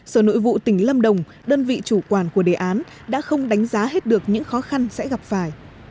sở nội vụ tỉnh lâm đồng đơn vị chủ quản của đề án đã không đánh giá hết được những khó khăn sẽ gặp phải